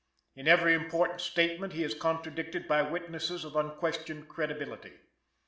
In every important statement he is contradicted by witnesses of unquestioned credibility.